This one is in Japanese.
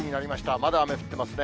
まだ雨降ってますね。